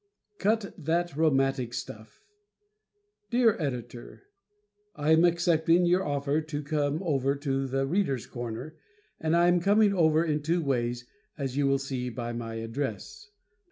"Cut That Romantic Stuff" Dear Editor: I am accepting your offer to come over to "The Readers' Corner," and am coming over in two ways, as you will see by my address.